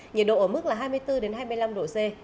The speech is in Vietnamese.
nhiệt độ ở mức là hai mươi bốn hai mươi năm độ c